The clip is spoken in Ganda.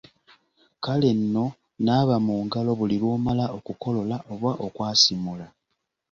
Kale nno naaba mu ngalo buli lw’omala okukolola oba okwasimula.